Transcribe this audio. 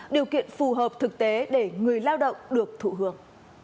điều kiện phù hợp thực tế để người lao động được thụ hưởng